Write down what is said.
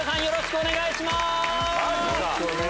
よろしくお願いします。